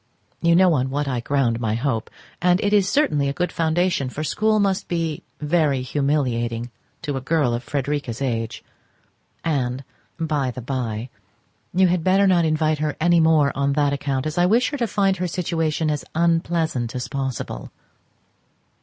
You know on what I ground my hope, and it is certainly a good foundation, for school must be very humiliating to a girl of Frederica's age. And, by the by, you had better not invite her any more on that account, as I wish her to find her situation as unpleasant as possible.